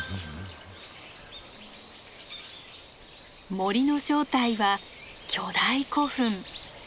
森の正体は巨大古墳。